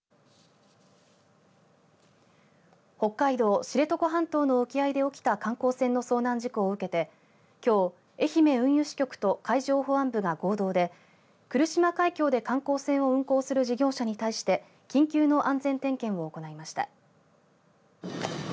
北海道知床半島の沖合で起きた観光船の遭難事故を受けてきょう、愛媛運輸支局と海上保安部が合同で来島海峡で観光船を運航する事業者に対して緊急の安全点検を行いました。